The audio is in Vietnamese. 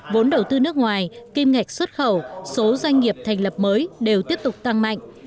vốn đầu tư nước ngoài kim ngạch xuất khẩu số doanh nghiệp thành lập mới đều tiếp tục tăng mạnh